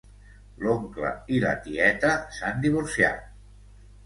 L'oncle i la tieta s'han divorciat